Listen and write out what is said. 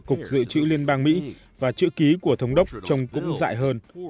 cục dự trữ liên bang mỹ và chữ ký của thống đốc trông cũng dại hơn